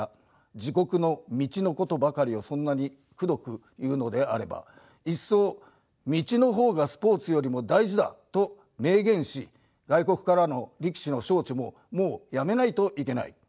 自国の道のことばかりをそんなにくどく言うのであればいっそ「道」の方がスポーツよりも大事だと明言し外国からの力士の招致ももうやめないといけない。